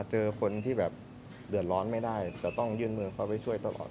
เจอคนที่แบบเดือดร้อนไม่ได้จะต้องยื่นมือเข้าไปช่วยตลอด